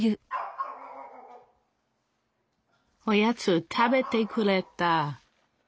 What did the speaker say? おやつ食べてくれた！